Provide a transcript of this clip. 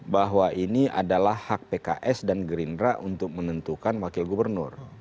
bahwa ini adalah hak pks dan gerindra untuk menentukan wakil gubernur